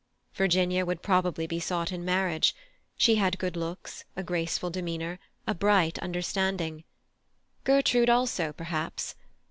Virginia would probably be sought in marriage; she had good looks, a graceful demeanour, a bright understanding. Gertrude also, perhaps.